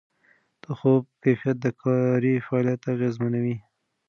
د خوب کیفیت د کاري فعالیت اغېزمنوي.